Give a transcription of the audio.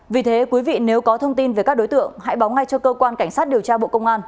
vì thế quý vị nếu có thông tin về các đối tượng hãy báo ngay cho cơ quan cảnh sát điều tra bộ công an